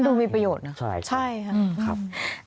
ดูมีประโยชน์นะใช่ค่ะครับ